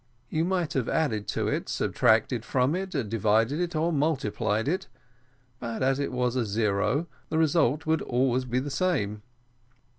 You might have added to it, subtracted from it, divided it, or multiplied it, but as it was a zero, the result would be always the same.